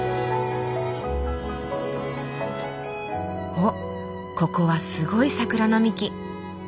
おっここはすごい桜並木。